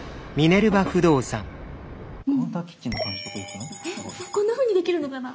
こんなふうにできるのかな？